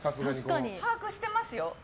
把握してますよ。